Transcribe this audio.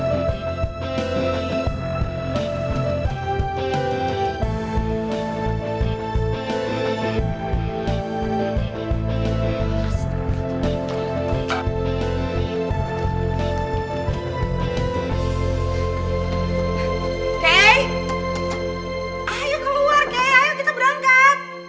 ayo keluar kei ayo kita berangkat